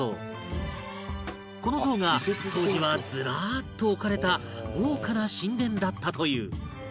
この像が当時はずらーっと置かれた豪華な神殿だったという